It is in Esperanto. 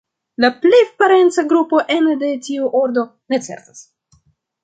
La plej parenca grupo ene de tiu ordo, ne certas.